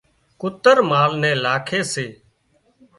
ڪُتر مال نين لاکي سي